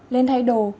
lên thay đồ